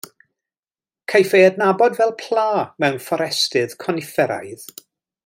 Caiff ei adnabod fel pla mewn fforestydd conifferaidd.